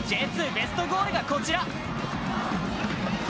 ベストゴールがこちら！